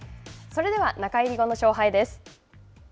それでは中入り後の勝敗です。